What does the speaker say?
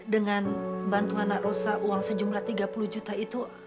dengan bantuan nak rosa uang sejumlah tiga puluh juta itu